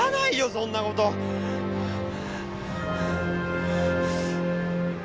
そんなことっ‼